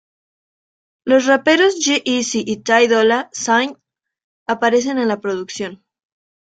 Los raperos G-Eazy y Ty Dolla Sign aparecen en la producción.